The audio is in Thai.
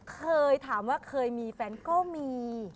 เคยถามว่าเคยมีแฟนก็มี